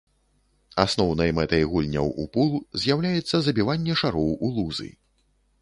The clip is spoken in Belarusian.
Асноўнай мэтай гульняў у пул з'яўляецца забіванне шароў ў лузы.